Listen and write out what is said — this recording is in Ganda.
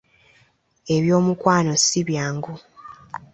Eby’omukwano si byangu.